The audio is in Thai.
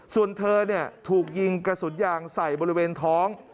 ส่วนเธอถูกยิงกระสุนยางใส่บริเวณท้อง